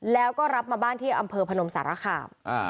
แล้วก็รับมาบ้านที่อำเภอพนมสารคาม